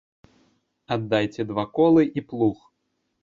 Аддайце два колы і плуг.